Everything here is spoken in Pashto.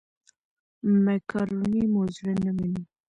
مېکاروني مو زړه نه مني.